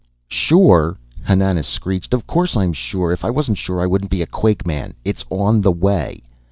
"Sure!" Hananas screeched. "Of course I'm sure. If I wasn't sure I wouldn't be a quakeman. It's on the way."